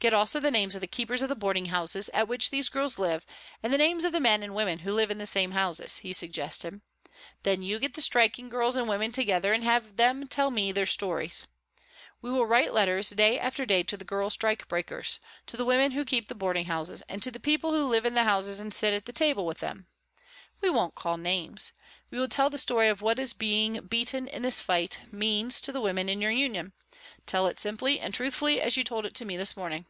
"Get also the names of the keepers of the boarding houses at which these girls live and the names of the men and women who live in the same houses," he suggested. "Then you get the striking girls and women together and have them tell me their stories. We will write letters day after day to the girl strikebreakers, to the women who keep the boarding houses, and to the people who live in the houses and sit at table with them. We won't call names. We will tell the story of what being beaten in this fight means to the women in your union, tell it simply and truthfully as you told it to me this morning."